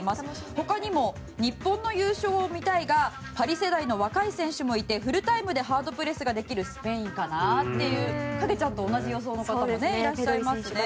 他にも日本の優勝を見たいがパリ世代の若い選手もいてフルタイムでハードプレスができるスペインかなという影ちゃんと同じ予想の方もいますね。